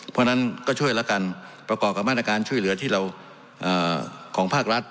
เพราะฉะนั้นก็ช่วยแล้วกันประกอบกับมาตรการช่วยเหลือที่เราของภาครัฐ